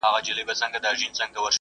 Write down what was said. هسې نه ستا آتشي زلفې زما بشر ووهي